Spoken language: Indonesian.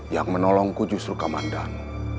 yang menolongku justru kamandan